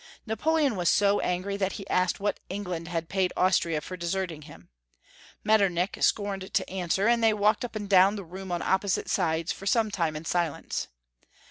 Napoleon was so angry that he asked what England had paid Austria for deserting liim. Metternich scorned to answer, and they walked up and down the room on opposite sides for some time in silence.